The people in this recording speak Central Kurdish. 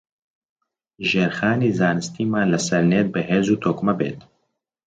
ژێرخانی زانستیمان لەسەر نێت بەهێز و تۆکمە بێت